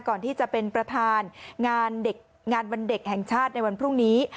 ก่อนที่จะเป็นประธานงานวันเด็กแห่งชาติในวันพรุ่งนี้